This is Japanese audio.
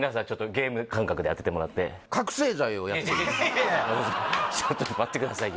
ゲーム感覚で当ててもらってちょっと待ってくださいよ